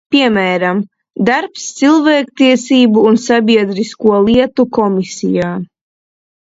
Piemēram, darbs Cilvēktiesību un sabiedrisko lietu komisijā.